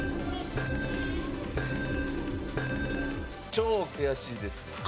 「超悔しいです」。